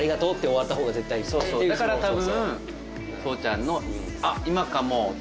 だから多分。